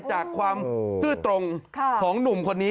จากความซื่อตรงของหนุ่มคนนี้